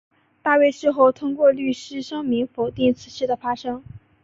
大卫事后透过律师声明否定此事的发生。